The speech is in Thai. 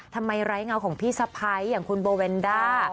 ไร้เงาของพี่สะพ้ายอย่างคุณโบเวนด้า